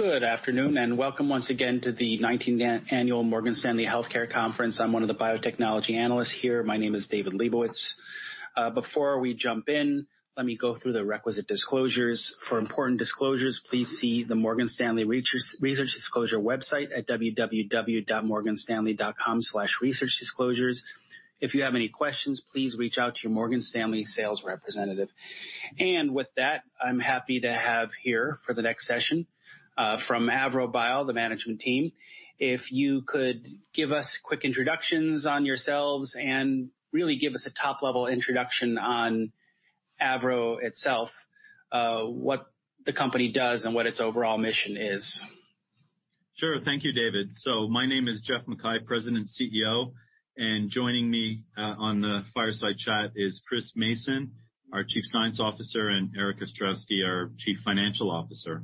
Good afternoon, and welcome once again to the 19th Annual Morgan Stanley Healthcare Conference. I'm one of the biotechnology analysts here. My name is David Lebowitz. Before we jump in, let me go through the requisite disclosures. For important disclosures, please see the Morgan Stanley Research Disclosure website at www.morganstanley.com/researchdisclosures. If you have any questions, please reach out to your Morgan Stanley sales representative. With that, I'm happy to have here for the next session, from AVROBIO, the management team. If you could give us quick introductions on yourselves and really give us a top-level introduction on AVROBIO itself, what the company does and what its overall mission is. Sure. Thank you, David. My name is Geoff MacKay, President, CEO. Joining me on the fireside chat is Chris Mason, our Chief Science Officer, and Erik Ostrowski, our Chief Financial Officer.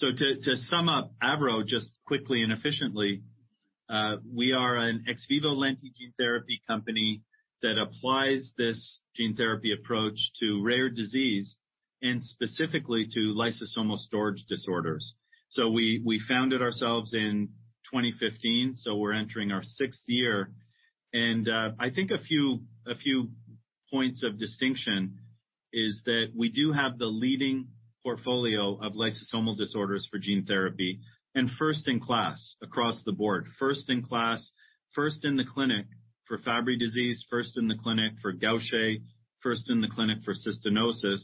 To sum up AVROBIO just quickly and efficiently, we are an ex vivo lentiviral gene therapy company that applies this gene therapy approach to rare disease and specifically to lysosomal storage disorders. We founded ourselves in 2015, so we're entering our sixth year. I think a few points of distinction is that we do have the leading portfolio of lysosomal disorders for gene therapy and first in class across the board. First in class, first in the clinic for Fabry disease, first in the clinic for Gaucher, first in the clinic for cystinosis.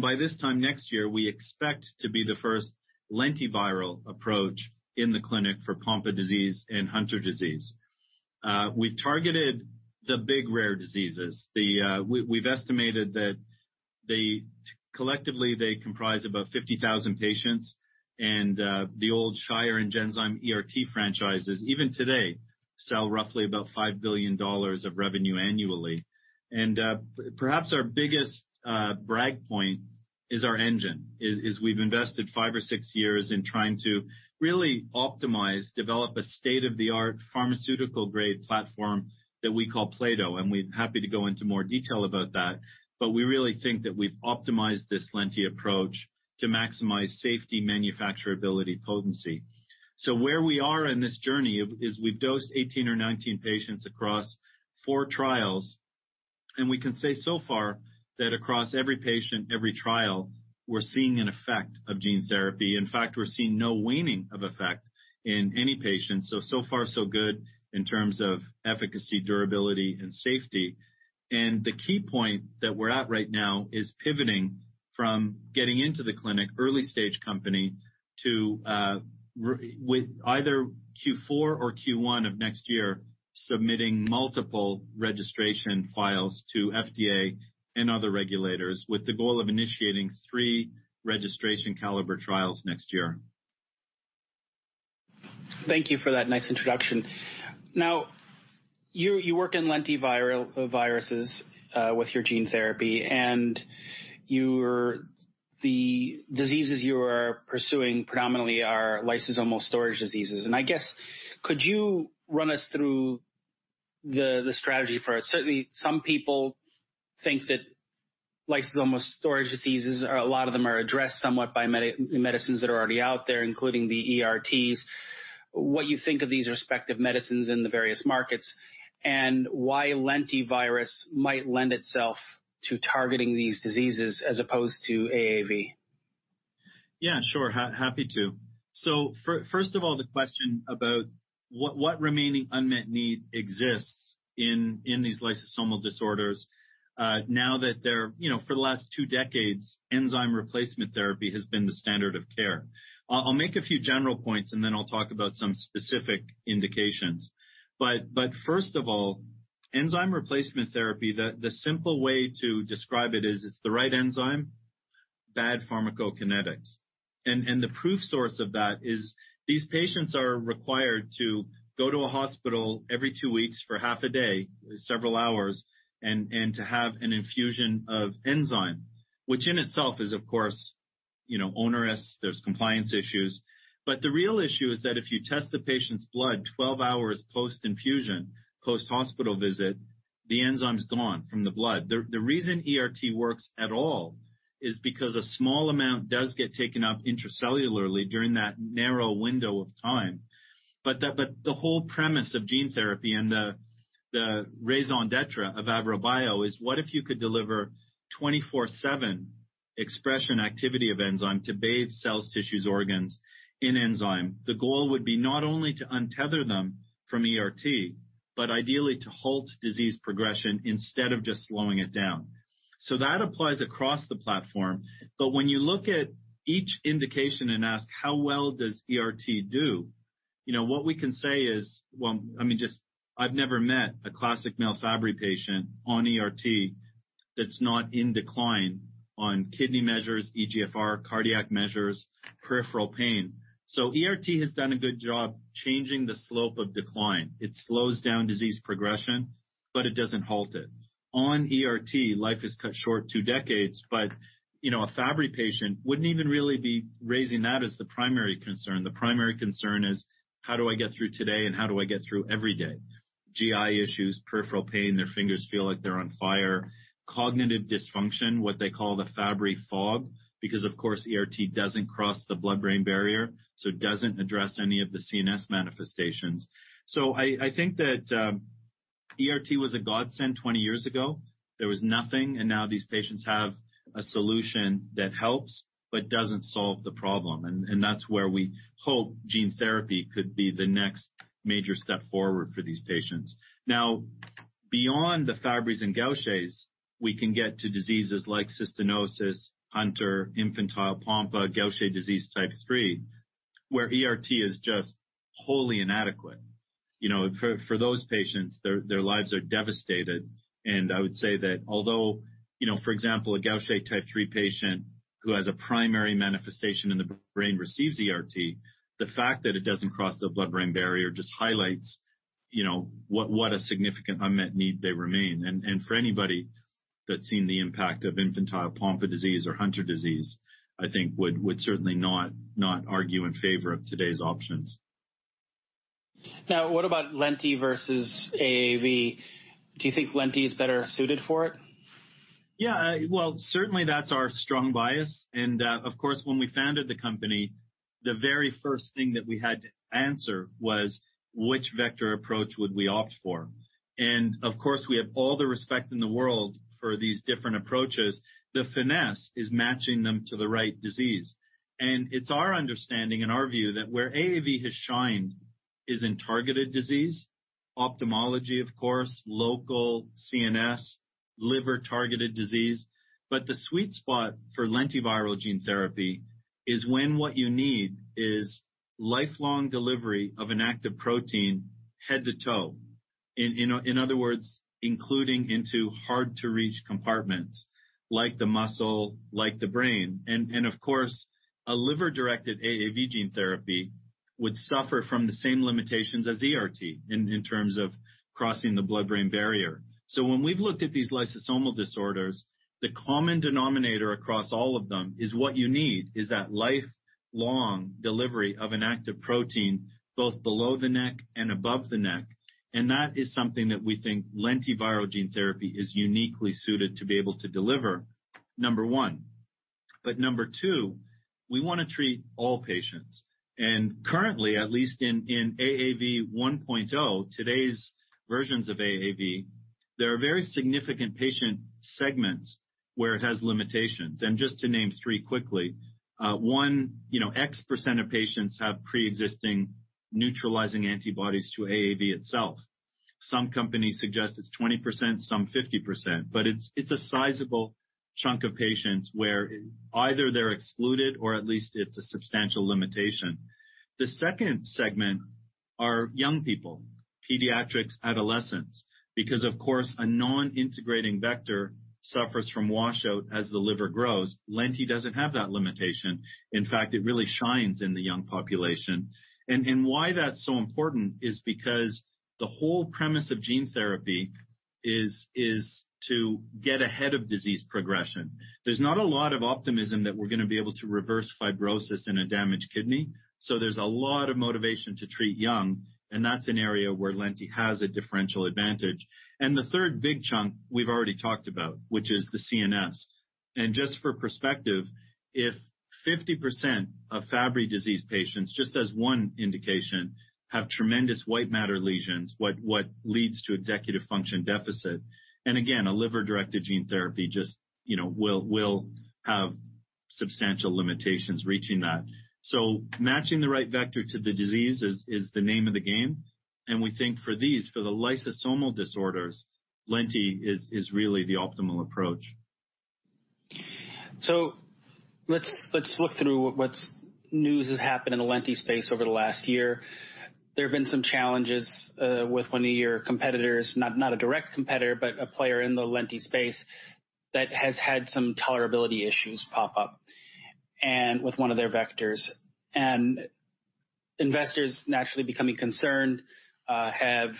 By this time next year, we expect to be the first lentiviral approach in the clinic for Pompe disease and Hunter syndrome. We've targeted the big rare diseases. We've estimated that collectively, they comprise about 50,000 patients and the old Shire and Genzyme ERT franchises, even today, sell roughly about $5 billion of revenue annually. Perhaps our biggest brag point is our engine. We've invested five or six years in trying to really optimize, develop a state-of-the-art pharmaceutical-grade platform that we call plato. We're happy to go into more detail about that. We really think that we've optimized this lentiviral approach to maximize safety, manufacturability, potency. Where we are in this journey is we've dosed 18 or 19 patients across four trials. We can say so far that across every patient, every trial, we're seeing an effect of gene therapy. In fact, we're seeing no waning of effect in any patient. So far so good in terms of efficacy, durability, and safety. The key point that we're at right now is pivoting from getting into the clinic early-stage company to, with either Q4 or Q1 of next year, submitting multiple registration files to FDA and other regulators with the goal of initiating three registration caliber trials next year. Thank you for that nice introduction. Now, you work in lentiviruses with your gene therapy, and the diseases you are pursuing predominantly are lysosomal storage disorders. I guess, could you run us through the strategy for it? Certainly, some people think that lysosomal storage disorders, a lot of them are addressed somewhat by medicines that are already out there, including the ERTs. What you think of these respective medicines in the various markets and why lentivirus might lend itself to targeting these diseases as opposed to AAV. Yeah, sure. Happy to. First of all, the question about what remaining unmet need exists in these lysosomal disorders, for the last two decades, enzyme replacement therapy has been the standard of care. I'll make a few general points, and then I'll talk about some specific indications. First of all, enzyme replacement therapy, the simple way to describe it is, it's the right enzyme, bad pharmacokinetics. The proof source of that is these patients are required to go to a hospital every two weeks for half a day, several hours, and to have an infusion of enzyme, which in itself is, of course, onerous. There's compliance issues. The real issue is that if you test the patient's blood 12 hours post-infusion, post-hospital visit, the enzyme's gone from the blood. The reason ERT works at all is because a small amount does get taken up intracellularly during that narrow window of time. The whole premise of gene therapy and the raison d'être of AVROBIO is what if you could deliver 24/7 expression activity of enzyme to bathe cells, tissues, organs in enzyme. The goal would be not only to untether them from ERT, but ideally to halt disease progression instead of just slowing it down. That applies across the platform. When you look at each indication and ask, how well does ERT do? What we can say is, I've never met a classic male Fabry patient on ERT that's not in decline on kidney measures, eGFR, cardiac measures, peripheral pain. ERT has done a good job changing the slope of decline. It slows down disease progression. It doesn't halt it. On ERT, life is cut short two decades, but a Fabry patient wouldn't even really be raising that as the primary concern. The primary concern is how do I get through today and how do I get through every day. GI issues, peripheral pain, their fingers feel like they're on fire, cognitive dysfunction, what they call the Fabry fog, because of course, ERT doesn't cross the blood-brain barrier, so it doesn't address any of the CNS manifestations. I think that ERT was a godsend 20 years ago. There was nothing, and now these patients have a solution that helps but doesn't solve the problem. That's where we hope gene therapy could be the next major step forward for these patients. Now, beyond the Fabrys and Gauchers, we can get to diseases like cystinosis, Hunter, infantile Pompe, Gaucher disease type 3, where ERT is just wholly inadequate. For those patients, their lives are devastated, and I would say that although, for example, a Gaucher type 3 patient who has a primary manifestation in the brain receives ERT, the fact that it doesn't cross the blood-brain barrier just highlights what a significant unmet need they remain. For anybody that's seen the impact of infantile Pompe disease or Hunter syndrome, I think would certainly not argue in favor of today's options. What about lenti versus AAV? Do you think lenti is better suited for it? Yeah. Well, certainly that's our strong bias. Of course, when we founded the company, the very first thing that we had to answer was which vector approach would we opt for. Of course, we have all the respect in the world for these different approaches. The finesse is matching them to the right disease. It's our understanding and our view that where AAV has shined is in targeted disease, ophthalmology of course, local CNS, liver-targeted disease. The sweet spot for lentiviral gene therapy is when what you need is lifelong delivery of an active protein head to toe. In other words, including into hard-to-reach compartments like the muscle, like the brain. Of course, a liver-directed AAV gene therapy would suffer from the same limitations as ERT in terms of crossing the blood-brain barrier. When we've looked at these lysosomal disorders, the common denominator across all of them is what you need is that lifelong delivery of an active protein, both below the neck and above the neck, and that is something that we think lentiviral gene therapy is uniquely suited to be able to deliver, number one. Number two, we want to treat all patients. Currently, at least in AAV 1.0, today's versions of AAV, there are very significant patient segments where it has limitations. Just to name three quickly, one, X% of patients have preexisting neutralizing antibodies to AAV itself. Some companies suggest it's 20%, some 50%, but it's a sizable chunk of patients where either they're excluded or at least it's a substantial limitation. The second segment are young people, pediatrics, adolescents, because of course, a non-integrating vector suffers from washout as the liver grows. Lenti doesn't have that limitation. In fact, it really shines in the young population. Why that's so important is because the whole premise of gene therapy is to get ahead of disease progression. There's not a lot of optimism that we're going to be able to reverse fibrosis in a damaged kidney, so there's a lot of motivation to treat young, and that's an area where lenti has a differential advantage. The third big chunk we've already talked about, which is the CNS. Just for perspective, if 50% of Fabry disease patients, just as one indication, have tremendous white matter lesions, what leads to executive function deficit, and again, a liver-directed gene therapy just will have substantial limitations reaching that. Matching the right vector to the disease is the name of the game, and we think for these, for the lysosomal disorders, lenti is really the optimal approach. Let's look through what news has happened in the lenti space over the last year. There have been some challenges with one of your competitors, not a direct competitor, but a player in the lenti space that has had some tolerability issues pop up, and with one of their vectors. Investors naturally becoming concerned have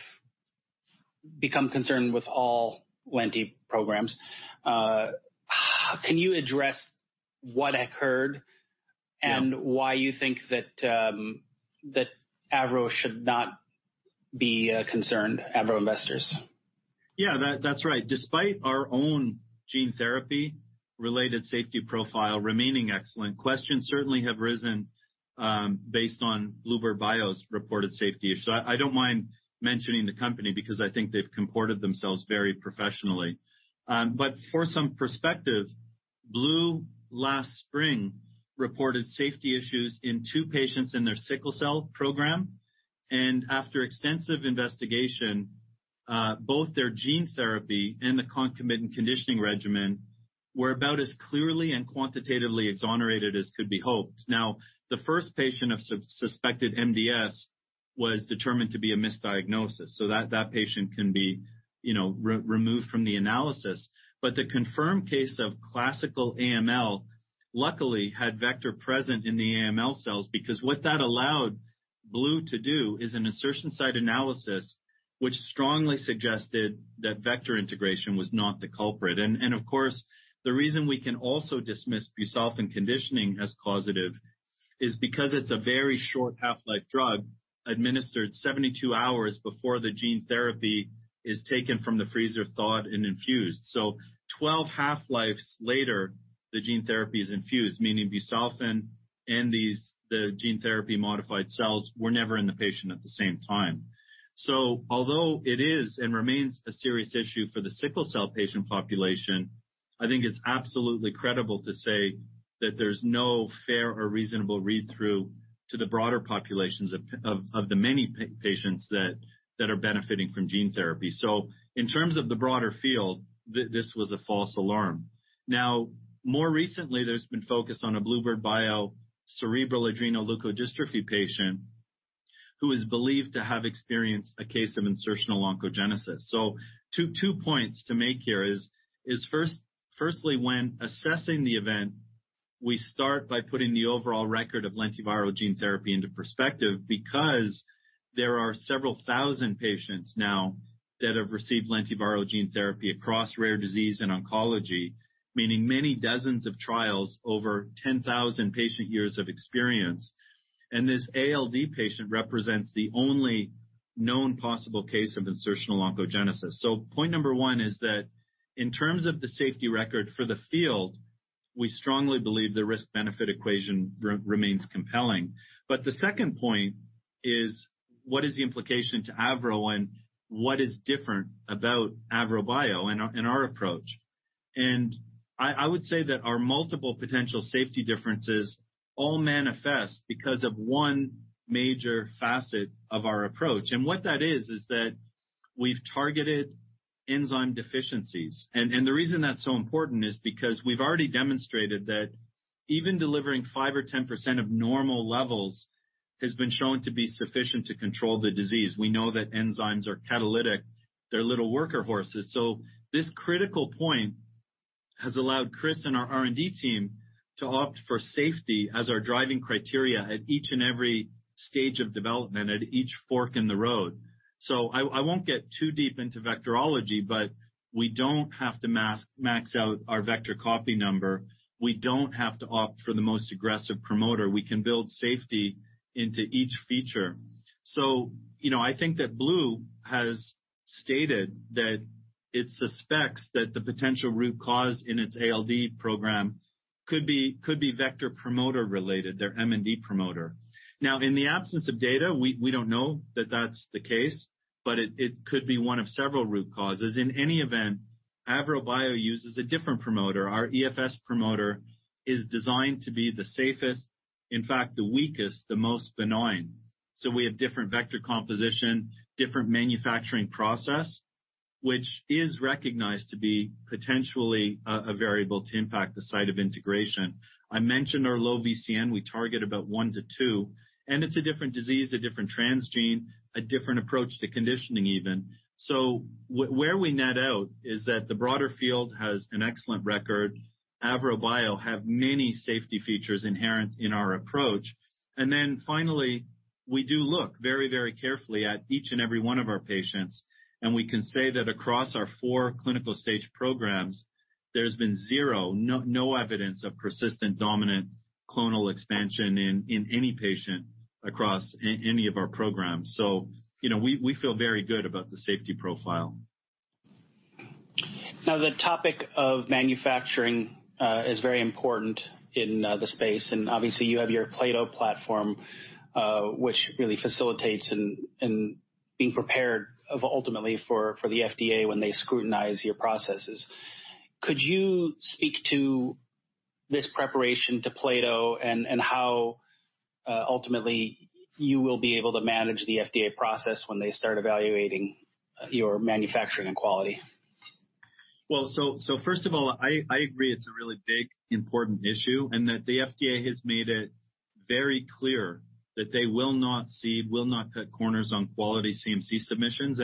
become concerned with all lenti programs. Can you address what occurred and why you think that AVRO should not be concerned, AVRO investors? Yeah, that's right. Despite our own gene therapy-related safety profile remaining excellent, questions certainly have risen based on bluebird bio's reported safety issue. I don't mind mentioning the company because I think they've comported themselves very professionally. For some perspective, bluebird last spring reported safety issues in two patients in their sickle cell program. After extensive investigation, both their gene therapy and the concomitant conditioning regimen were about as clearly and quantitatively exonerated as could be hoped. Now, the first patient of suspected MDS was determined to be a misdiagnosis, so that patient can be removed from the analysis. The confirmed case of classical AML luckily had vector present in the AML cells because what that allowed bluebird to do is an insertion site analysis, which strongly suggested that vector integration was not the culprit. Of course, the reason we can also dismiss busulfan conditioning as causative is because it's a very short half-life drug administered 72 hours before the gene therapy is taken from the freezer, thawed, and infused. 12 half-lives later, the gene therapy is infused, meaning busulfan and the gene therapy-modified cells were never in the patient at the same time. Although it is and remains a serious issue for the sickle cell patient population, I think it's absolutely credible to say that there's no fair or reasonable read-through to the broader populations of the many patients that are benefiting from gene therapy. In terms of the broader field, this was a false alarm. Now, more recently, there's been focus on a bluebird bio cerebral adrenoleukodystrophy patient who is believed to have experienced a case of insertional oncogenesis. Two points to make here is, firstly, when assessing the event, we start by putting the overall record of lentiviral gene therapy into perspective, because there are several thousand patients now that have received lentiviral gene therapy across rare disease and oncology, meaning many dozens of trials over 10,000 patient years of experience. This ALD patient represents the only known possible case of insertional oncogenesis. Point 1 is that in terms of the safety record for the field, we strongly believe the risk-benefit equation remains compelling. The second point is, what is the implication to AVRO and what is different about AVROBIO and our approach? I would say that our multiple potential safety differences all manifest because of one major facet of our approach. What that is that we've targeted enzyme deficiencies. The reason that's so important is because we’ve already demonstrated that even delivering 5% or 10% of normal levels has been shown to be sufficient to control the disease. We know that enzymes are catalytic. They’re little worker horses. This critical point has allowed Chris and our R&D team to opt for safety as our driving criteria at each and every stage of development, at each fork in the road. I won’t get too deep into vectorology, but we don’t have to max out our vector copy number. We don’t have to opt for the most aggressive promoter. We can build safety into each feature. I think that Blue has stated that it suspects that the potential root cause in its ALD program could be vector promoter related, their MND promoter. In the absence of data, we don't know that that's the case, but it could be one of several root causes. In any event, AVROBIO uses a different promoter. Our EFS promoter is designed to be the safest, in fact, the weakest, the most benign. We have different vector composition, different manufacturing process, which is recognized to be potentially a variable to impact the site of integration. I mentioned our low VCN. We target about one to two. It's a different disease, a different transgene, a different approach to conditioning even. Where we net out is that the broader field has an excellent record. AVROBIO have many safety features inherent in our approach. Finally, we do look very carefully at each and every one of our patients, and we can say that across our four clinical stage programs, there's been zero, no evidence of persistent dominant clonal expansion in any patient across any of our programs. We feel very good about the safety profile. The topic of manufacturing is very important in the space, and obviously you have your plato platform, which really facilitates in being prepared ultimately for the FDA when they scrutinize your processes. Could you speak to this preparation to plato and how ultimately you will be able to manage the FDA process when they start evaluating your manufacturing and quality? First of all, I agree it's a really big, important issue and that the FDA has made it very clear that they will not cede, will not cut corners on quality CMC submissions.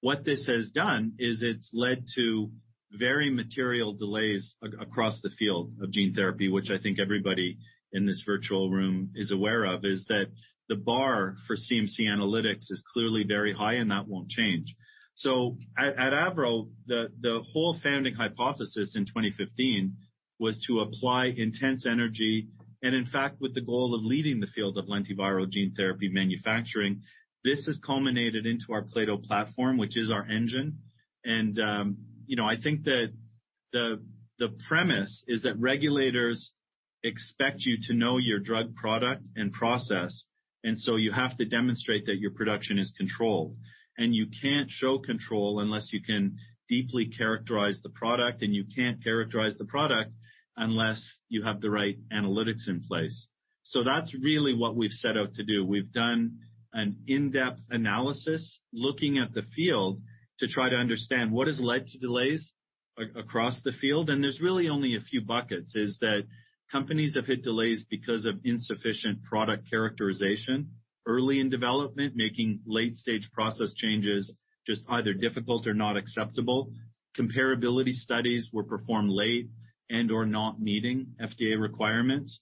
What this has done is it's led to very material delays across the field of gene therapy, which I think everybody in this virtual room is aware of, is that the bar for CMC analytics is clearly very high, and that won't change. At AVRO, the whole founding hypothesis in 2015 was to apply intense energy and, in fact, with the goal of leading the field of lentiviral gene therapy manufacturing. This has culminated into our plato platform, which is our engine. I think that the premise is that regulators expect you to know your drug product and process, and so you have to demonstrate that your production is controlled. You can't show control unless you can deeply characterize the product, and you can't characterize the product unless you have the right analytics in place. That's really what we've set out to do. We've done an in-depth analysis looking at the field to try to understand what has led to delays across the field, and there's really only a few buckets, is that companies have hit delays because of insufficient product characterization early in development, making late-stage process changes just either difficult or not acceptable. Comparability studies were performed late and or not meeting FDA requirements.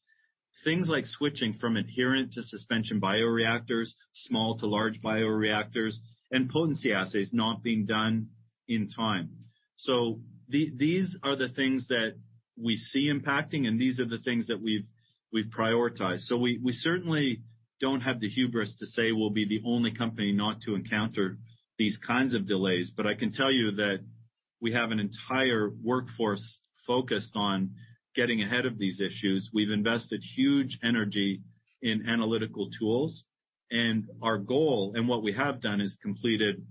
Things like switching from adherent to suspension bioreactors, small to large bioreactors, and potency assays not being done in time. These are the things that we see impacting, and these are the things that we've prioritized. We certainly don't have the hubris to say we'll be the only company not to encounter these kinds of delays, but I can tell you that we have an entire workforce focused on getting ahead of these issues. We've invested huge energy in analytical tools, and our goal, and what we have done, is completed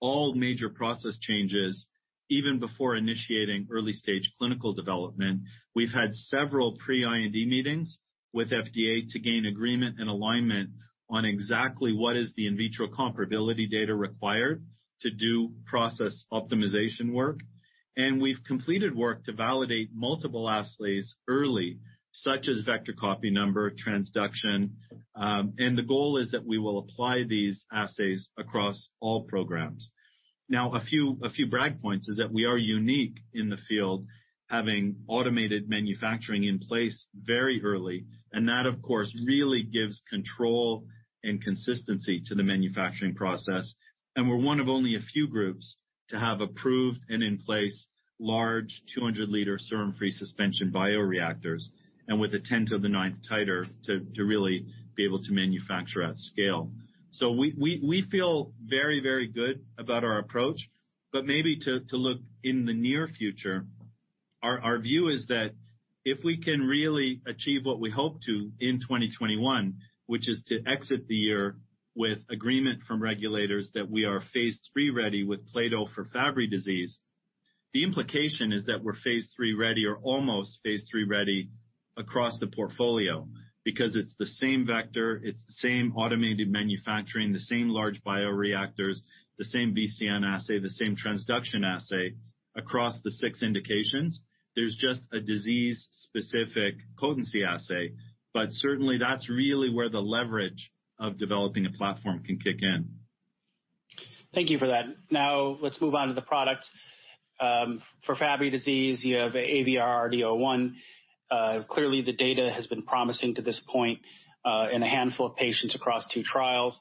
all major process changes, even before initiating early-stage clinical development. We've had several pre-IND meetings with FDA to gain agreement and alignment on exactly what is the in vitro comparability data required to do process optimization work. We've completed work to validate multiple assays early, such as vector copy number, transduction. The goal is that we will apply these assays across all programs. A few brag points is that we are unique in the field, having automated manufacturing in place very early, and that, of course, really gives control and consistency to the manufacturing process. We're one of only a few groups to have approved and in place large 200 L serum-free suspension bioreactors, and with a 10 to the 9th titer to really be able to manufacture at scale. We feel very, very good about our approach. Maybe to look in the near future, our view is that if we can really achieve what we hope to in 2021, which is to exit the year with agreement from regulators that we are phase III-ready with plato for Fabry disease, the implication is that we're phase III-ready or almost phase III-ready across the portfolio because it's the same vector, it's the same automated manufacturing, the same large bioreactors, the same VCN assay, the same transduction assay across the six indications. There's just a disease-specific potency assay. Certainly, that's really where the leverage of developing a platform can kick in. Thank you for that. Let's move on to the products. For Fabry disease, you have AVR-RD-01. Clearly, the data has been promising to this point in a handful of patients across two trials.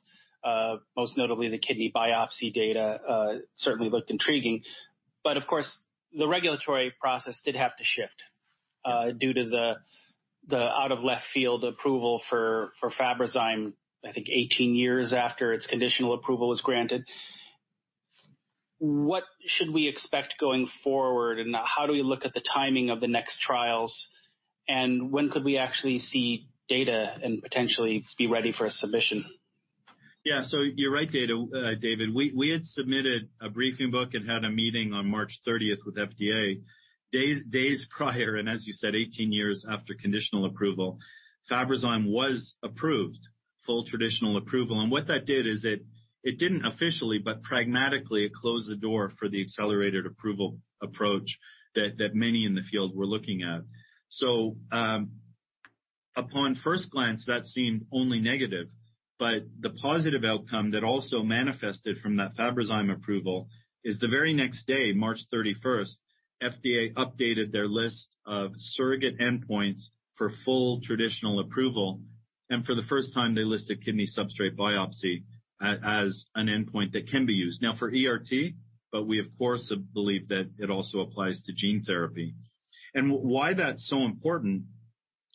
Most notably, the kidney biopsy data certainly looked intriguing. Of course, the regulatory process did have to shift due to the out-of-left-field approval for Fabrazyme, I think 18 years after its conditional approval was granted. What should we expect going forward, and how do we look at the timing of the next trials? When could we actually see data and potentially be ready for a submission? Yeah. You're right, David. We had submitted a briefing book and had a meeting on March 30th with FDA. Days prior, and as you said, 18 years after conditional approval, Fabrazyme was approved, full traditional approval. What that did is it didn't officially, but pragmatically, it closed the door for the accelerated approval approach that many in the field were looking at. Upon first glance, that seemed only negative, but the positive outcome that also manifested from that Fabrazyme approval is the very next day, March 31st, FDA updated their list of surrogate endpoints for full traditional approval, and for the first time, they listed kidney substrate biopsy as an endpoint that can be used. Now for ERT, but we, of course, believe that it also applies to gene therapy. Why that's so important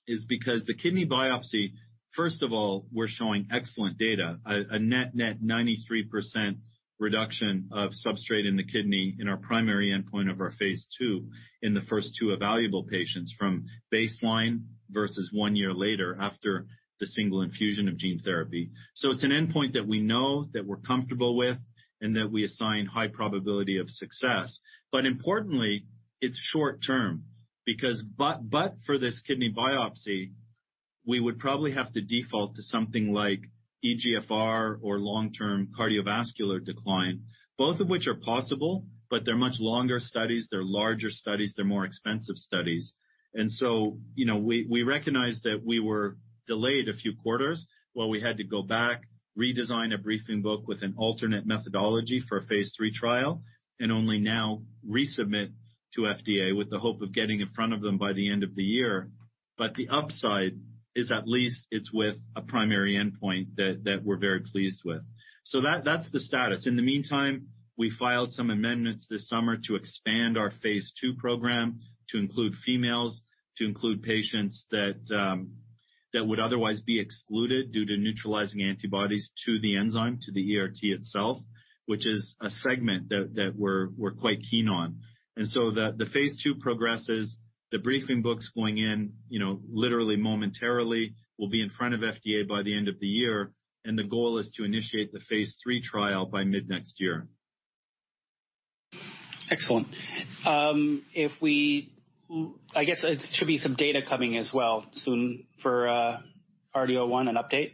is because the kidney biopsy, first of all, we're showing excellent data, a net 93% reduction of substrate in the kidney in our primary endpoint of our phase II in the first two evaluable patients from baseline versus one year later after the single infusion of gene therapy. It's an endpoint that we know, that we're comfortable with, and that we assign high probability of success. Importantly, it's short-term because, but for this kidney biopsy, we would probably have to default to something like eGFR or long-term cardiovascular decline. Both of which are possible, but they're much longer studies, they're larger studies, they're more expensive studies. We recognized that we were delayed a few quarters while we had to go back, redesign a briefing book with an alternate methodology for a phase III trial, and only now resubmit to FDA with the hope of getting in front of them by the end of the year. The upside is at least it's with a primary endpoint that we're very pleased with. That's the status. In the meantime, we filed some amendments this summer to expand our phase II program to include females, to include patients that would otherwise be excluded due to neutralizing antibodies to the enzyme, to the ERT itself, which is a segment that we're quite keen on. The phase II progresses. The briefing book's going in literally momentarily. We'll be in front of FDA by the end of the year, and the goal is to initiate the phase III trial by mid-next year. Excellent. I guess it should be some data coming as well soon for RD01, an update.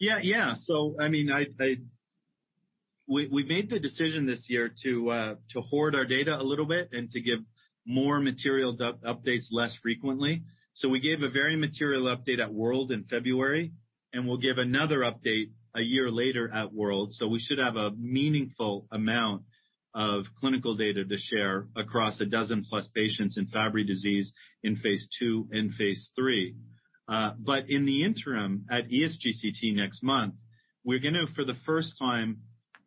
Yeah. We made the decision this year to hoard our data a little bit and to give more material updates less frequently. We gave a very material update at WORLDSymposium in February. We'll give another update a year later at WORLDSymposium. We should have a meaningful amount of clinical data to share across a dozen plus patients in Fabry disease in phase II and phase III. In the interim, at ASGCT next month, we're going to, for the first time,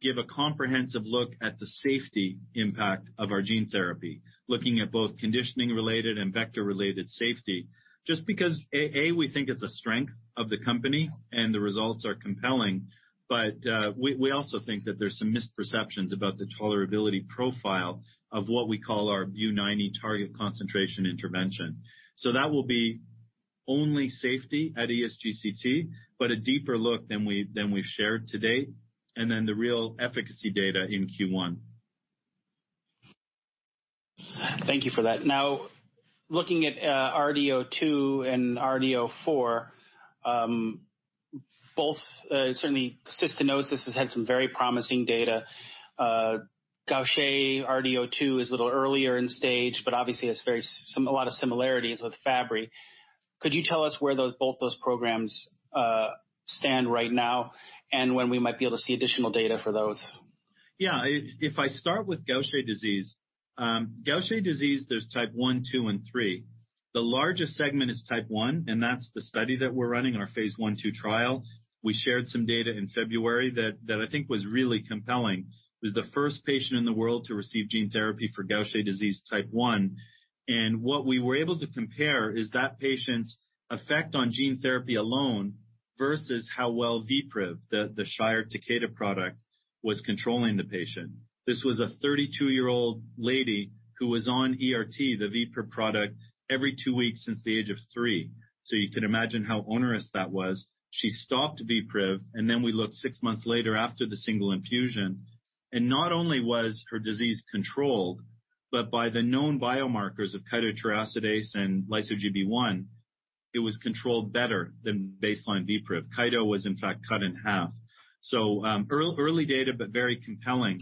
give a comprehensive look at the safety impact of our gene therapy, looking at both conditioning related and vector related safety, just because, A, we think it's a strength of the company and the results are compelling. We also think that there's some misperceptions about the tolerability profile of what we call our buTCI target concentration intervention. That will be only safety at ASGCT, but a deeper look than we've shared to date, and then the real efficacy data in Q1. Thank you for that. Looking at RD-02 and RD-04, both certainly cystinosis has had some very promising data. Gaucher RD-02 is a little earlier in stage, but obviously has a lot of similarities with Fabry. Could you tell us where both those programs stand right now and when we might be able to see additional data for those? Yeah. If I start with Gaucher disease. Gaucher disease, there's type 1, 2, and 3. The largest segment is type 1, and that's the study that we're running, our phase I/II trial. We shared some data in February that I think was really compelling. It was the first patient in the world to receive gene therapy for Gaucher disease type 1. What we were able to compare is that patient's effect on gene therapy alone versus how well VPRIV, the Shire Takeda product, was controlling the patient. This was a 32-year-old lady who was on ERT, the VPRIV product, every two weeks since the age of three. You can imagine how onerous that was. She stopped VPRIV, then we looked six months later after the single infusion, not only was her disease controlled, but by the known biomarkers of chitotriosidase and lyso-Gb1, it was controlled better than baseline VPRIV. Chito was in fact cut in half. Early data, but very compelling.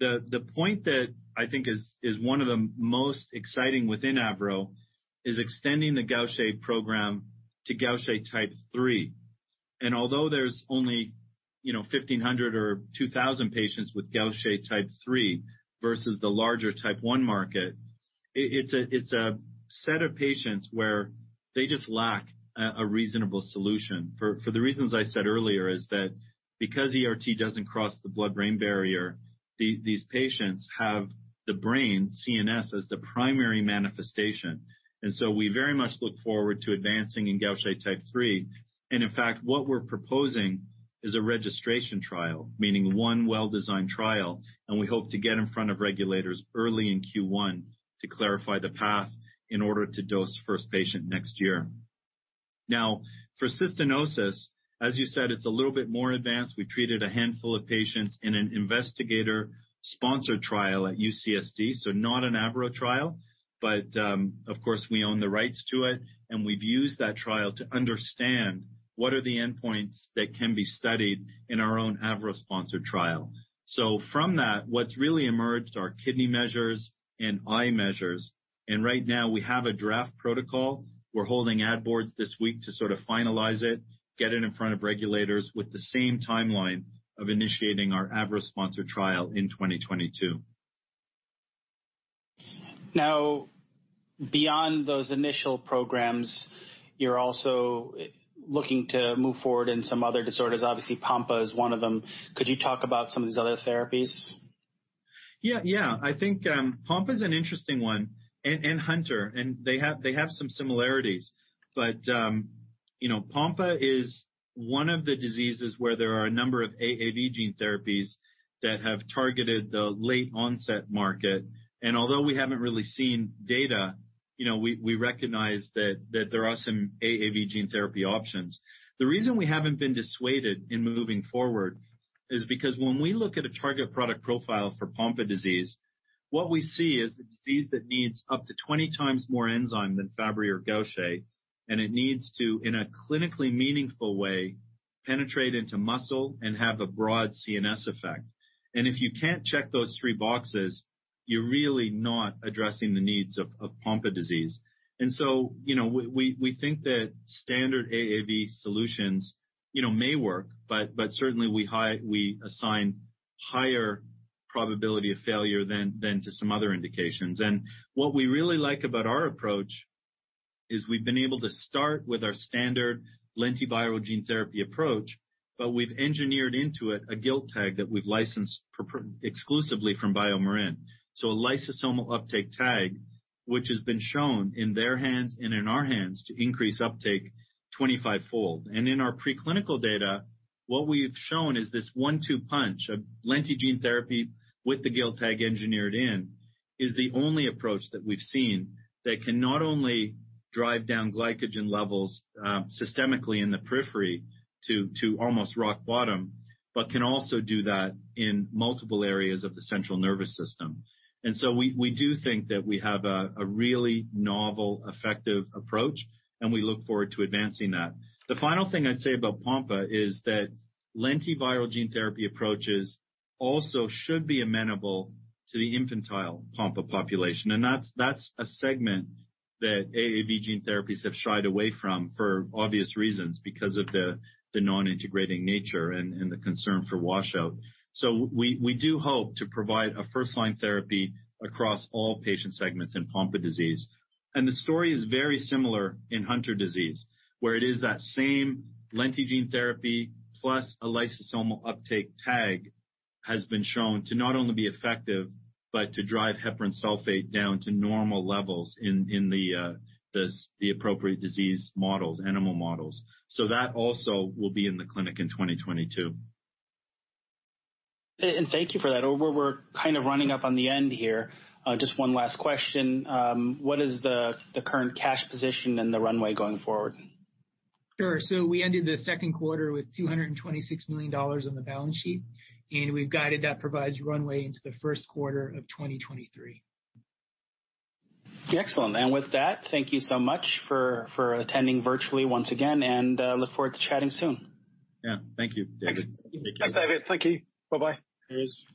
The point that I think is one of the most exciting within AVROBIO is extending the Gaucher program to Gaucher type 3. Although there's only 1,500 or 2,000 patients with Gaucher type 3 versus the larger type 1 market, it's a set of patients where they just lack a reasonable solution. For the reasons I said earlier, is that because ERT doesn't cross the blood-brain barrier, these patients have the brain, CNS, as the primary manifestation. We very much look forward to advancing in Gaucher type 3. In fact, what we're proposing is a registration trial, meaning one well-designed trial, and we hope to get in front of regulators early in Q1 to clarify the path in order to dose the first patient next year. For cystinosis, as you said, it's a little bit more advanced. We treated a handful of patients in an investigator-sponsored trial at UCSD, so not an AVRO trial, but, of course, we own the rights to it, and we've used that trial to understand what are the endpoints that can be studied in our own AVRO-sponsored trial. From that, what's really emerged are kidney measures and eye measures. Right now we have a draft protocol. We're holding ad boards this week to sort of finalize it, get it in front of regulators with the same timeline of initiating our AVRO-sponsored trial in 2022. Beyond those initial programs, you're also looking to move forward in some other disorders. Obviously, Pompe is one of them. Could you talk about some of these other therapies? Yeah. I think Pompe is an interesting one, and Hunter, and they have some similarities. Pompe is one of the diseases where there are a number of AAV gene therapies that have targeted the late onset market. Although we haven't really seen data, we recognize that there are some AAV gene therapy options. The reason we haven't been dissuaded in moving forward is because when we look at a target product profile for Pompe disease, what we see is a disease that needs up to 20 times more enzyme than Fabry or Gaucher, and it needs to, in a clinically meaningful way, penetrate into muscle and have a broad CNS effect. If you can't check those three boxes, you're really not addressing the needs of Pompe disease. We think that standard AAV solutions may work, but certainly we assign higher probability of failure than to some other indications. What we really like about our approach is we've been able to start with our standard lentiviral gene therapy approach, but we've engineered into it a GILT tag that we've licensed exclusively from BioMarin. A lysosomal uptake tag, which has been shown in their hands and in our hands to increase uptake 25-fold. In our preclinical data, what we've shown is this one-two punch of lenti gene therapy with the GILT tag engineered in is the only approach that we've seen that can not only drive down glycogen levels systemically in the periphery to almost rock bottom, but can also do that in multiple areas of the central nervous system. We do think that we have a really novel, effective approach, and we look forward to advancing that. The final thing I'd say about Pompe is that lentiviral gene therapy approaches also should be amenable to the infantile Pompe population. That's a segment that AAV gene therapies have shied away from for obvious reasons because of the non-integrating nature and the concern for washout. We do hope to provide a first-line therapy across all patient segments in Pompe disease. The story is very similar in Hunter disease, where it is that same lenti gene therapy plus a lysosomal uptake tag has been shown to not only be effective, but to drive heparan sulfate down to normal levels in the appropriate disease models, animal models. That also will be in the clinic in 2022. Thank you for that. We're kind of running up on the end here. Just one last question. What is the current cash position and the runway going forward? Sure. We ended the second quarter with $226 million on the balance sheet, and we've guided that provides runway into the first quarter of 2023. Excellent. With that, thank you so much for attending virtually once again and look forward to chatting soon. Yeah. Thank you, David. Thanks. Take care. Thanks, David. Thank you. Bye-bye. Cheers.